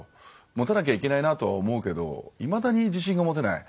持たなきゃいけないなとは思うけどいまだに自信が持てない。